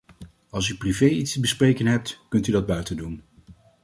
Als u privé iets te bespreken hebt, kunt u dat buiten doen.